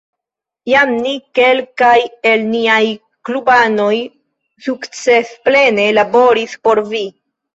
Jam ni, kelkaj el niaj klubanoj, sukcesplene laboris por vi.